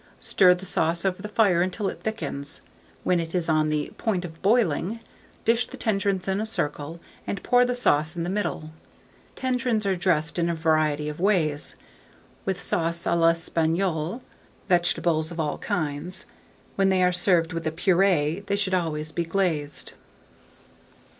Stir the sauce over the fire until it thickens; when it is on the point of boiling, dish the tendrons in a circle, and pour the sauce in the middle. Tendrons are dressed in a variety of ways, with sauce à l'Espagnole, vegetables of all kinds: when they are served with a purée, they should always be glazed.